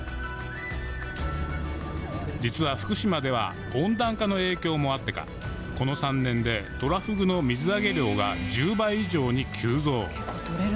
実は、福島では温暖化の影響もあってかこの３年でトラフグの水揚げ量が１０倍以上に急増。